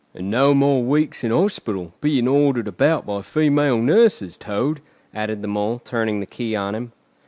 "And no more weeks in hospital, being ordered about by female nurses, Toad," added the Mole, turning the key on him.